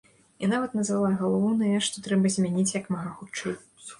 І нават назвала галоўнае, што трэба змяніць як мага хутчэй.